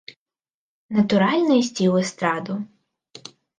Натуральна ісці ў эстраду.